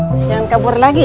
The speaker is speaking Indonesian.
jangan kabur lagi ya